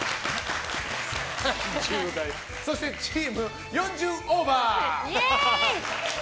そして、チーム４０オーバー。